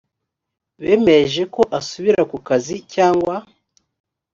bemereje ko asubira ku kazi cyangwa